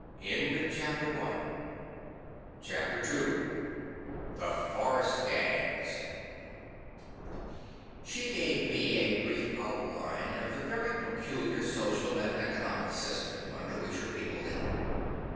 CHAPTER II The Forest Gangs She gave me a brief outline of the very peculiar social and economic system under which her people lived.